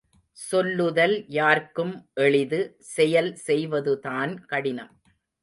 சொல்லுதல் யார்க்கும் எளிது செயல் செய்வதுதான் கடினம்.